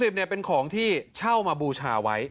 อีก๑๐เนี่ยเป็นของที่เช่ามาบูชาไว้